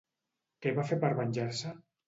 Què va fer per venjar-se?